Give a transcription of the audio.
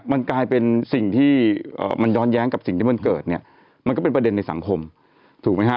มันกลายเป็นสิ่งที่มันย้อนแย้งกับสิ่งที่มันเกิดเนี่ยมันก็เป็นประเด็นในสังคมถูกไหมฮะ